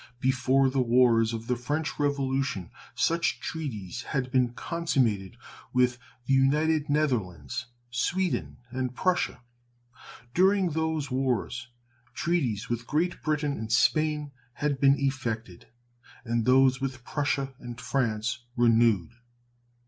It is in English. Before the wars of the French Revolution such treaties had been consummated with the United Netherlands, Sweden, and Prussia. During those wars treaties with Great Britain and Spain had been effected, and those with Prussia and France renewed.